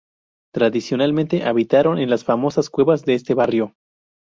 Tradicionalmente habitaron en las famosas cuevas de este barrio.